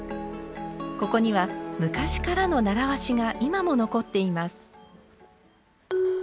ここには昔からの習わしが今も残っています。